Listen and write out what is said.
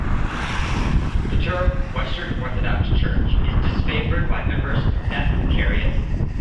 The term "Western Orthodox Church" is disfavored by members of that Vicariate.